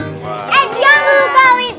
eh diam dulu kak wint